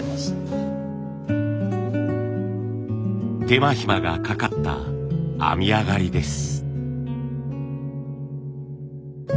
手間暇がかかった編み上がりです。